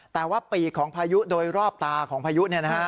แต่ว่าปีกของพายุโดยรอบตาของพายุเนี่ยนะฮะ